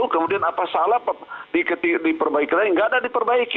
kemudian apa salah diperbaiki lagi nggak ada diperbaiki